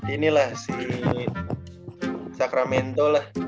inilah si sacramento lah